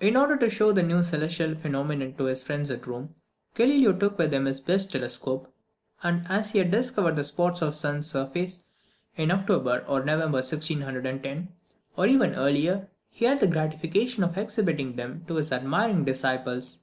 In order to show the new celestial phenomena to his friends at Rome, Galileo took with him his best telescope; and as he had discovered the spots on the sun's surface in October or November 1610, or even earlier, he had the gratification of exhibiting them to his admiring disciples.